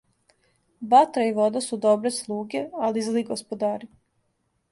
Ватра и вода су добре слуге, али зли господари.